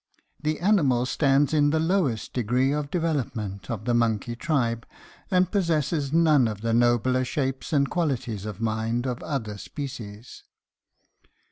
The animal stands in the lowest degree of development of the monkey tribe, and possesses none of the nobler shapes and qualities of mind of other species.